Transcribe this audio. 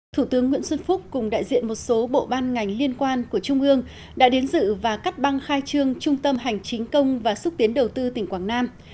thủ tướng nguyễn xuân phúc cùng đại diện một số bộ ban ngành liên quan của trung ương đã đến dự và cắt băng khai trương trung tâm hành chính công và xúc tiến đầu tư tỉnh quảng nam